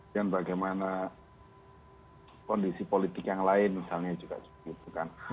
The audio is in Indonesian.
dan bagaimana kondisi politik yang lain misalnya juga cukup bukan